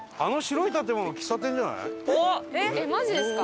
えっマジですか？